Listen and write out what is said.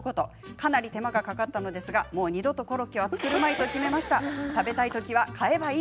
かなり手間がかかったのですが二度とコロッケは作るまいと決めました。